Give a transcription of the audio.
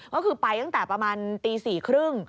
ก็คือไปตั้งแต่ประมาณตี๔๓๐